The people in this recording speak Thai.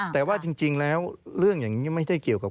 แต่ว่าจริงแล้วเรื่องอย่างนี้ไม่ใช่เกี่ยวกับ